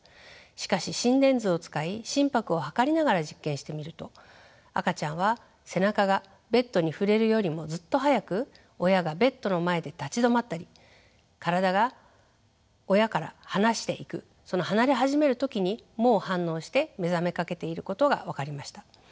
しかし心電図を使い心拍を測りながら実験してみると赤ちゃんは背中がベッドに触れるよりもずっと早く親がベッドの前で立ち止まったり体が親から離していくその離れ始める時にもう反応して目覚めかけていることが分かりました。